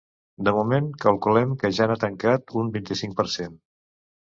De moment, calculem que ja n’ha tancat un vint-i-cinc per cent.